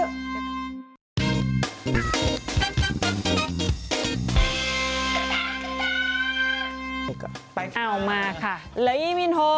เอามาค่ะลีมินโฮพี่เมียว